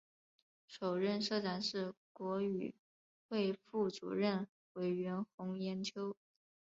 首任社长是国语会副主任委员洪炎秋。